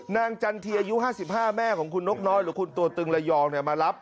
จันทีอายุ๕๕แม่ของคุณนกน้อยหรือคุณตัวตึงระยองมารับ